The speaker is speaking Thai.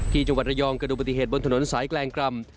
ที่จังหวัดระยองเกิดดูปฏิเหตุบนถนนสายแกลงกรรม